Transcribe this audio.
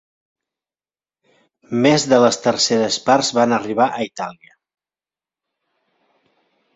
Més de les terceres parts van arribar a Itàlia.